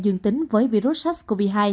dương tính với virus sars cov hai